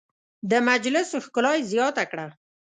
د مجلس ښکلا یې زیاته کړه.